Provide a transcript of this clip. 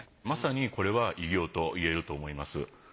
まさにこれは偉業といえると思います。